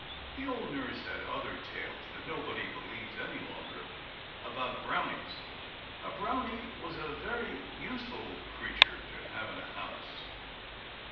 The old nurse had other tales, that nobody believes any longer, about Brownies. A Brownie was a very useful creature to have in a house.